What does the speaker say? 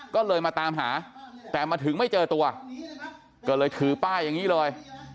ก็เลยมาตามหาแต่มาถึงไม่เจอตัวก็เลยถือป้ายอย่างนี้เลย